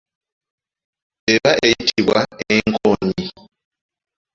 Eba eyitibwa enkoonyi.